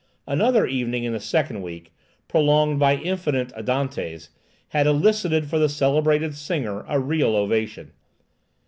—Another evening in the second week, prolonged by infinite andantes, had elicited for the celebrated singer a real ovation.